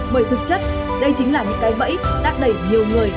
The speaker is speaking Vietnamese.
bởi thực chất đây chính là những cái bẫy đã đẩy nhiều người